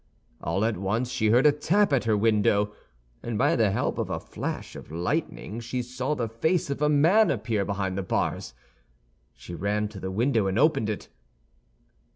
All at once she heard a tap at her window, and by the help of a flash of lightning she saw the face of a man appear behind the bars. She ran to the window and opened it.